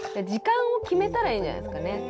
時間を決めたらいいんじゃないですかね。